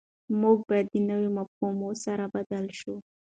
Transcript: موږ باید د نویو مفاهیمو سره بلد شو.